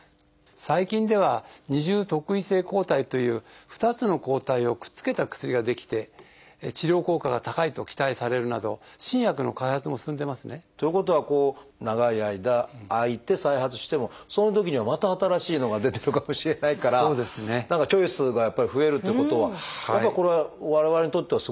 最近では「二重特異性抗体」という２つの抗体をくっつけた薬が出来て治療効果が高いと期待されるなど新薬の開発も進んでますね。ということは長い間空いて再発してもそのときにはまた新しいのが出てるかもしれないから何かチョイスがやっぱり増えるっていうことはやっぱりこれは我々にとってはすごい希望があるなという感じがしますが。